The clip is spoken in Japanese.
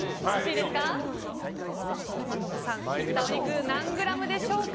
それでは、真飛さん切ったお肉は何グラムでしょうか。